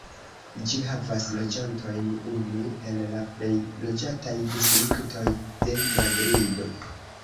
Ĝi havas loĝantojn, unu el la plej loĝataj distriktoj de Madrido.